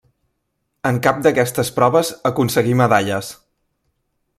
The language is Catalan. En cap d'aquestes proves aconseguí medalles.